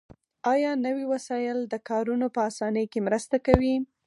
آیا نوي وسایل د کارونو په اسانۍ کې مرسته کوي؟